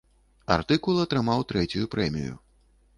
Артыкул атрымаў трэцюю прэмію.